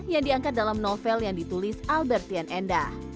yang diangkat dalam novel yang ditulis albertian endah